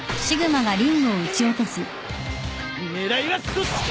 狙いはそっちか！